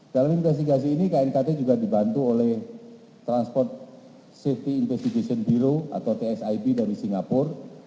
dalam investigasi ini knkt juga dibantu oleh transport safety investigation biro atau tsib dari singapura